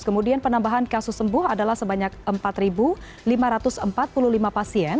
kemudian penambahan kasus sembuh adalah sebanyak empat lima ratus empat puluh lima pasien